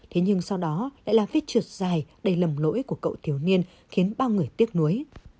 thế nhưng sau đó lại là vết trượt dài đầy lầm lỗi của cậu thiếu niên khiến bao người tiếc nuối